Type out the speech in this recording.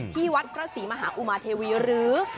ที่วัดพระศรีมหาอุมาเทวีหรือ